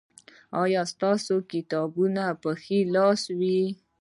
ایا ستاسو کتاب به په ښي لاس وي؟